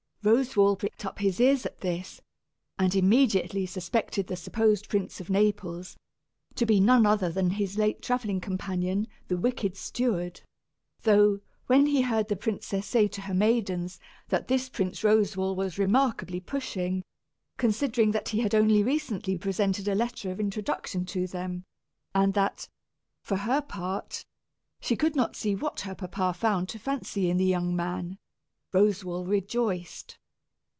Roswal pricked up his ears at this, and immediately suspected the supposed Prince of Naples to be none other than his late travelling companion, the wicked steward; though, when he heard the princess say to her maidens that this Prince Roswal was remarkably pushing, considering that he had only recently presented a letter of introduction to them, and that, for her part, she could not see what her papa found to fancy in the young man, Roswal rejoiced.